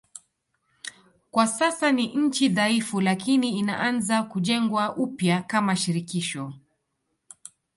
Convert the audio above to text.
Kwa sasa ni nchi dhaifu lakini inaanza kujengwa upya kama shirikisho.